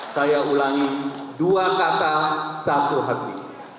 saya ulangi dua kata satu hati